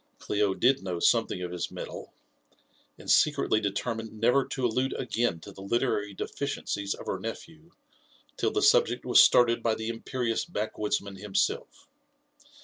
Clio did know something of his metal, and secretly determined never to allude again to the literary deficiences of her nephew till the subject was started by the imperious back woodsman himself.